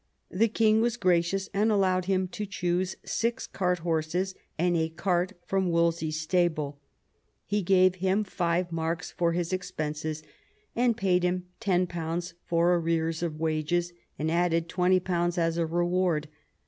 The king was gracious, and allowed him to choose six cart horses and a cart from Wolsey's stable. He gave him five marks for his expenses, paid him £10 for arrears of wages, and added £20 as a reward.